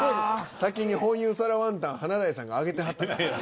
先に紅油皿ワンタン華大さんが挙げてはったから。